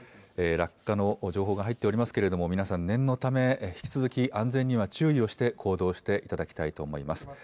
落下の情報が入っておりますけれども、皆さん、念のため、引き続き安全には注意をして行動していただきたいと思います。